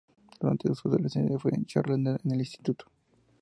Durante su adolescencia, fue cheerleader en el instituto.